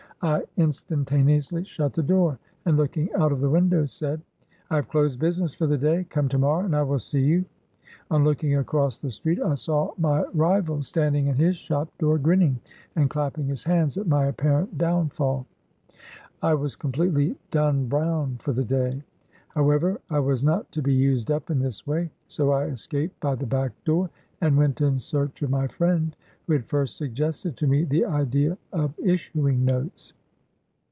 ' I in stantaneously shut the door, and. looking out of the window, said, ' I have closed business for the day; come to morrow and I will see you/ On looking across the street, I saw my rival standing in his shop door, grin 50 BIOGRAPHY OF ning and clapping his hands at my apparent downfall. I was completely 'done Brown' 1 for the day. How ever, I was not to be 'used up' in this way; so I escaped by the back door, and went in search of my friend who had first suggested to me the idea of issu ing notes.